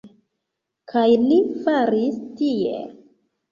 Kaj li faris tiel.